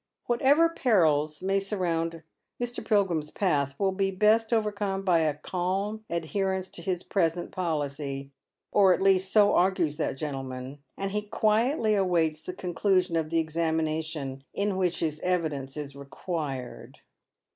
Whatever perils may surround Mr. Pilgrim's path will be best overcome by a calm adherence to his present policy, or at least so argues that gentleman ; and he quietly awaits the conclusion of the examination in which his evidence is required.